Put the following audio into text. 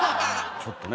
ちょっとね